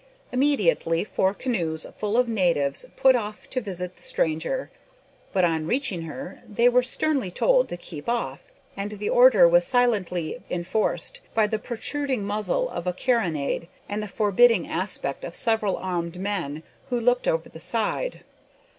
Immediately four canoes full of natives put off to visit the stranger; but on reaching her they were sternly told to keep off, and the order was silently enforced by the protruding muzzle of a carronade, and the forbidding aspect of several armed men who looked over the side.